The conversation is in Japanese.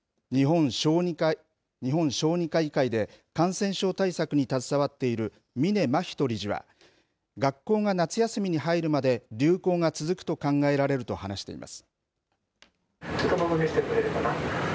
日本小児科医会で感染症対策に携わっている峯眞人理事は、学校が夏休みに入るまで流行が続くと考えられると話しています。